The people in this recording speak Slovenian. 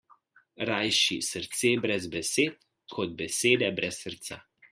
Rajši srce brez besed kot besede brez srca.